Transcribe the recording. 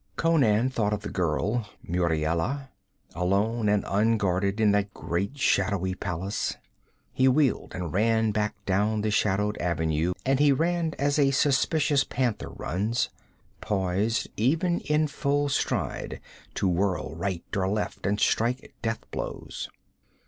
Conan thought of the girl, Muriela, alone and unguarded in that great shadowy palace. He wheeled and ran back down the shadowed avenue, and he ran as a suspicious panther runs, poised even in full stride to whirl right or left and strike death blows.